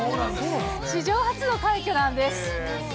史上初の快挙なんです。